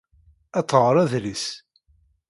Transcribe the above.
Ad tɣer adlis.